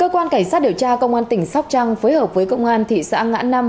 cơ quan cảnh sát điều tra công an tỉnh sóc trăng phối hợp với công an thị xã ngã năm